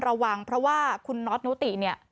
ระวังเพราะว่าคุณน็อตนุติเนี่ย